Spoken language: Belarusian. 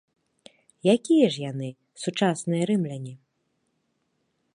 Якія ж яны, сучасныя рымляне?